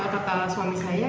kata suami saya